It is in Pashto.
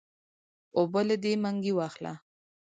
اوبۀ له دې منګي واخله